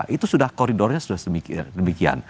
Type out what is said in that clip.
itu sudah koridornya sudah demikian